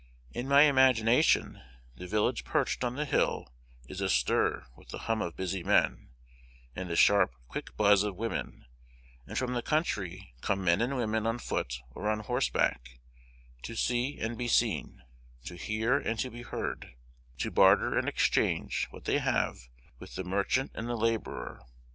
In my imagination the village perched on the hill is astir with the hum of busy men, and the sharp, quick buzz of women; and from the country come men and women on foot or on horseback, to see and be seen, to hear and to be heard, to barter and exchange what they have with the merchant and the laborer.